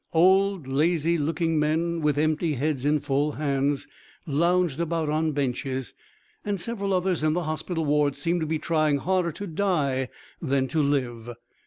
Old, lazy looking men, with empty heads in full hands, lounged about on benches, and several others in the hospital ward seemed to be trying harder to die than to live.